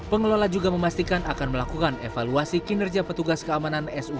pengelola juga memastikan akan melakukan evaluasi kinerja petugas keamanan sub